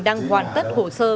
đang hoàn tất hồ sơ